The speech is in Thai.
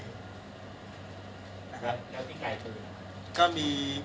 แล้วที่ไกลปืน